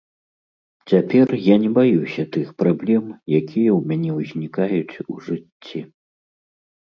Цяпер я не баюся тых праблем, якія ў мяне ўзнікаюць у жыцці.